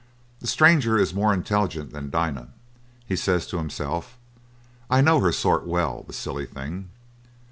The stranger is more intelligent than Dinah. He says to himself, "I know her sort well, the silly thing.